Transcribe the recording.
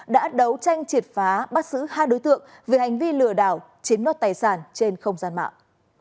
đã đấu tranh triệt phá bắt xử hai đối tượng về hành vi lừa đảo chiếm đoạt tài sản trên không gian mạng